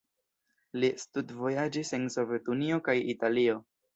Li studvojaĝis en Sovetunio kaj Italio.